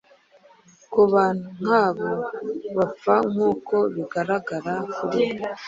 kubantu nkabo bapfa nkuko bigaragara kuri we